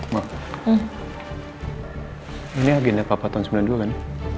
ini agenda papa tahun sembilan puluh dua kan